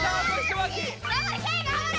がんばれ！